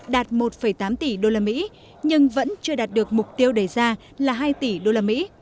đạt một tám tỷ usd nhưng vẫn chưa đạt được mục tiêu đề ra là hai tỷ usd